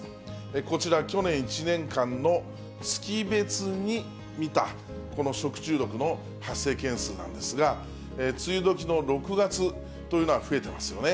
こちら、去年１年間の月別に見た、この食中毒の発生件数なんですが、梅雨時の６月というのは増えてますよね。